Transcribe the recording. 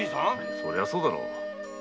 そりゃそうだろう。